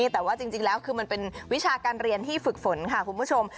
แต่ว่าจริงแล้วคือมันเป็นวิชาการเรียนที่ฝึกฝนค่ะคุณผู้ชม